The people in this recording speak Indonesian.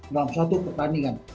dalam suatu pertandingan